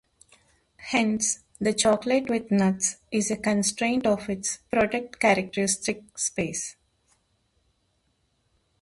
Hence, the chocolate with nuts is a constraint of its product characteristic space.